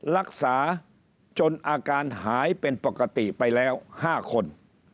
รักษาจนอาการหายเป็นปกติไปแล้ว๕คน